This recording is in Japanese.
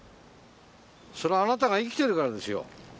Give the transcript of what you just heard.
そらあなたが生きてるからですよ。